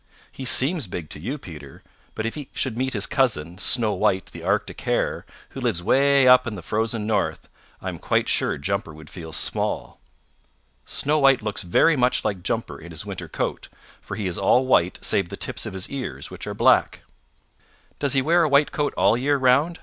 He seems big to you, Peter, but if he should meet his cousin, Snow White the Arctic Hare, who lives way up in the Frozen North, I am quite sure Jumper would feel small. Snow White looks very much like Jumper in his winter coat, for he is all white save the tips of his ears, which are black." "Does he wear a white coat all year round?"